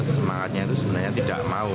semangatnya itu sebenarnya tidak mau